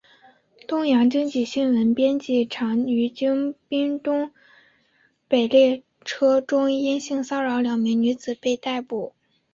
东洋经济新闻编辑长于京滨东北线列车中因性骚扰两名女子被捕。